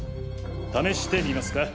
試してみますか？